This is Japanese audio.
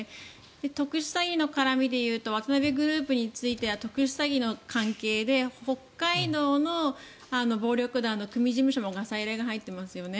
特殊詐欺の絡みでいうと渡邉グループについては特殊詐欺の関係で北海道の暴力団の組事務所にもガサ入れが入っていますよね。